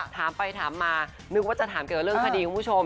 ถามไปถามมานึกว่าจะถามเกี่ยวกับเรื่องคดีคุณผู้ชม